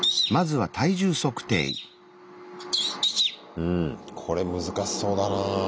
うんこれ難しそうだなぁ。